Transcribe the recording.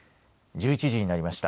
１１時になりました。